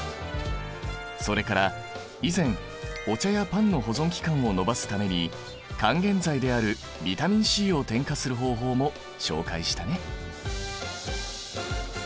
それから以前お茶やパンの保存期間を延ばすために還元剤であるビタミンＣを添加する方法も紹介したね。